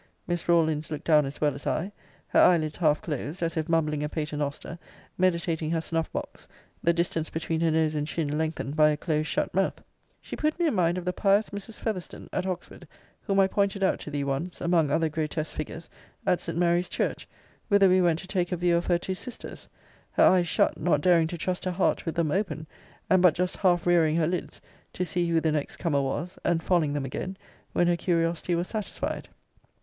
Miss Rawlins looked down as well as I; her eyelids half closed, as if mumbling a pater noster, meditating her snuff box, the distance between her nose and chin lengthened by a close shut mouth. She put me in mind of the pious Mrs. Fetherstone at Oxford, whom I pointed out to thee once, among other grotesque figures, at St. Mary's church, whither we went to take a view of her two sisters: her eyes shut, not daring to trust her heart with them open; and but just half rearing her lids, to see who the next comer was; and falling them again, when her curiosity was satisfied.